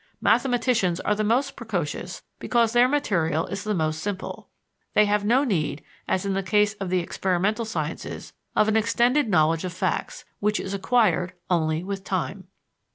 Mathematicians are the most precocious because their material is the most simple; they have no need, as in the case of the experimental sciences, of an extended knowledge of facts, which is acquired only with time.